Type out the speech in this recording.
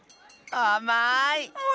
あまい！